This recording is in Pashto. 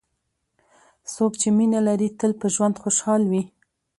څوک چې مینه لري، تل په ژوند خوشحال وي.